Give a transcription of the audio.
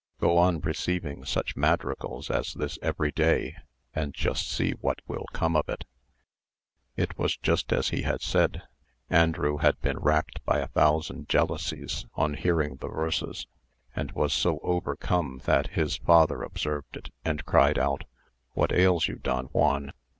Go on receiving such madrigals as this every day, and just see what will come of it." It was just as he had said. Andrew had been racked by a thousand jealousies on hearing the verses; and was so overcome that his father observed it, and cried out, "What ails you, Don Juan?